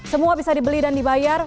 semua bisa dibeli dan dibayar